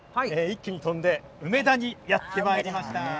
一気に飛んで梅田にやって参りました。